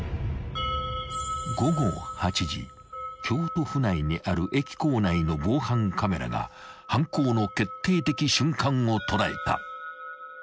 ［京都府内にある駅構内の防犯カメラが犯行の決定的瞬間を捉えた］